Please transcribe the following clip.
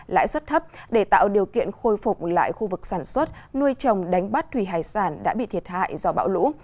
lãi suất thấp để tạo điều kiện khôi phục lại khu vực sản xuất nuôi trồng đánh bắt thủy hải sản đã bị thiệt hại do bão lũ